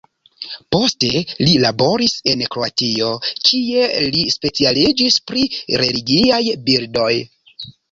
Poste li laboris en Kroatio kie li specialiĝis pri religiaj bildoj.